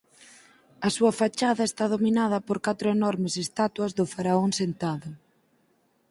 A súa fachada está dominada por catro enormes estatuas do faraón sentado.